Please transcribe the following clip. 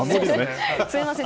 すみません